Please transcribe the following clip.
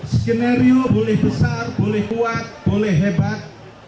skenario boleh besar boleh kuat boleh hebat